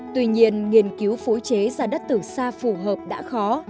tuy nhiên nghiên cứu phối chế ra đất từ xa phù hợp đã khó